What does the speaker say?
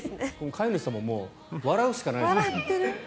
飼い主さんももう笑うしかないですね。